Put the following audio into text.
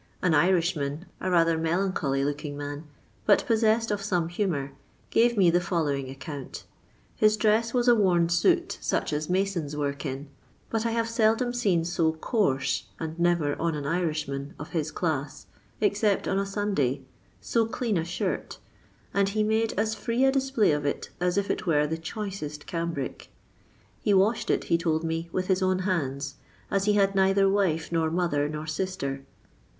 An Irishman, a rather melancholy looking man, but possessed of some humour, gave me the following account. His dress was a worn suit, such as masons work in ; but I have seldom seen so coarse, and never on an Irishman of his class, except on a Sunday, so clean a shirt, and he made as free a display of it as if it were the choicest cambric. He washed it, he told me, with his own hands, as he had neither wife, nor mo ther, nor sister.